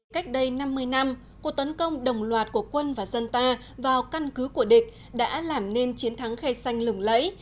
cách đây năm mươi năm cuộc tấn công đồng loạt của quân và dân ta vào căn cứ của địch đã làm nên chiến thắng khay xanh lửng lẫy